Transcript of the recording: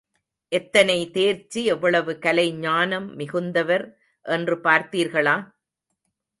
எத்தனை தேர்ச்சி எவ்வளவு கலை ஞானம் மிகுந்தவர் என்று பார்த்தீர்களா?